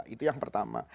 itu yang pertama